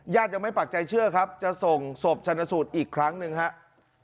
ยังไม่ปักใจเชื่อครับจะส่งศพชนสูตรอีกครั้งหนึ่งครับ